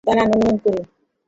দাঁড়ান, অনুমান করি।